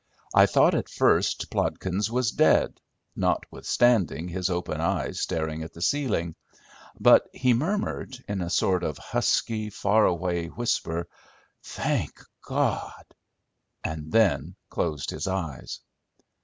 I thought at first Plodkins was dead, notwithstanding his open eyes staring at the ceiling; but he murmured, in a sort of husky far away whisper, "Thank God," and then closed his eyes.